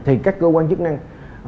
thì các cơ quan chức năng